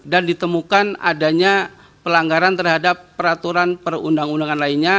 dan ditemukan adanya pelanggaran terhadap peraturan perundang undangan lainnya